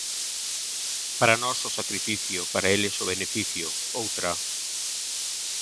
Para nós o sacrificio, para eles o beneficio, outra.